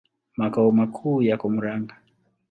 Makao makuu yako Murang'a.